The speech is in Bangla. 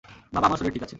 বাবা, আমার শরীর ঠিক আছে।